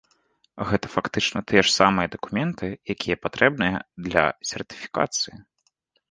Гэта фактычна тыя ж самыя дакументы, якія патрэбныя для сертыфікацыі.